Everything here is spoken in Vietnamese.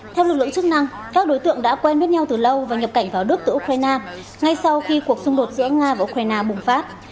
theo lực lượng chức năng các đối tượng đã quen biết nhau từ lâu và nhập cảnh vào đức từ ukraine ngay sau khi cuộc xung đột giữa nga và ukraine bùng phát